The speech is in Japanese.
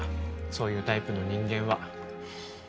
そういうタイプの人間は。